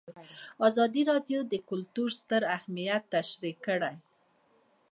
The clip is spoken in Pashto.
ازادي راډیو د کلتور ستر اهميت تشریح کړی.